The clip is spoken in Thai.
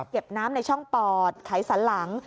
เก็บน้ำในช่องปอดไขสันหลัง